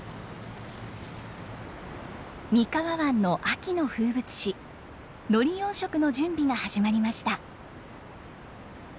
三河湾の秋の風物詩海苔養殖の準備が始まりました。